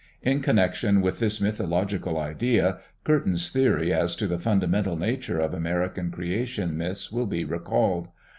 In connection with this mythological idea Curtin's theory as to the fundamental nature of American creation myths will be recalled.